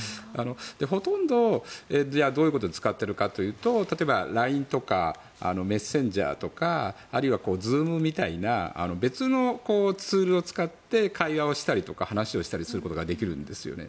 ほとんど、どういうことで使っているかというと例えばＬＩＮＥとかメッセンジャーとかあるいはＺｏｏｍみたいな別のツールを使って会話をしたりとか話をすることができるんですよね。